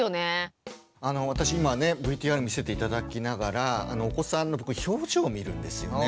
私今ねＶＴＲ見せて頂きながらお子さんの表情を見るんですよね。